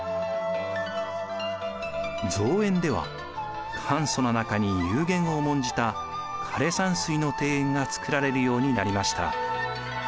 造園では簡素な中に幽玄を重んじた枯山水の庭園が造られるようになりました。